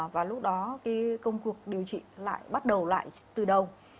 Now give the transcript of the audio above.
và lúc đó công cuộc điều trị lại bắt đầu lại từ đầu